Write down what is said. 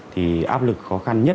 thì áp lực khó khăn nhất